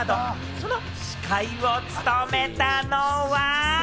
その司会を務めたのは。